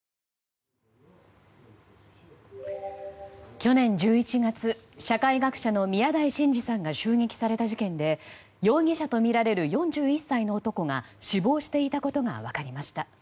去年１１月社会学者の宮台真司さんが襲撃された事件で容疑者とみられる４１歳の男が死亡していたことが分かりました。